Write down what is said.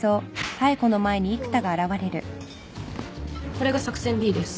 これが作戦 Ｂ です